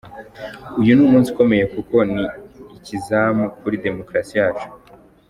"Uyu ni umunsi ukomeye kuko ni ikizamu kuri demokarasi yacu.